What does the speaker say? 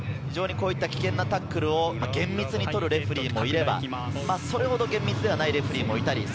危険なタックルを厳密に取るレフェリーもいれば、それほど厳密ではないレフェリーもいる。